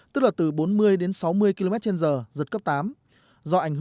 tức là từ bốn mươi đến sáu mươi km trên giờ giật cấp tám